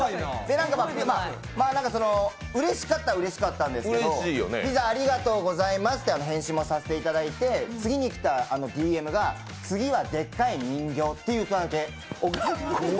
うれしかったはうれしかったんですけど、「ピザありがとうございます」と返信もさせていただいて次に来たＤＭが「次はでっかい人形」だけ。